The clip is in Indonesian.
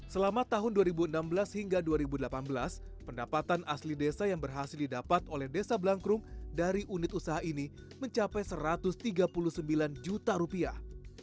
selama tahun dua ribu enam belas hingga dua ribu delapan belas pendapatan asli desa yang berhasil didapat oleh desa blangkrum dari unit usaha ini mencapai satu ratus tiga puluh sembilan juta rupiah